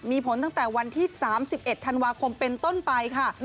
มีผลตั้งแต่วันที่๓๑ธันวาคมเป็นต้นไปค่ะ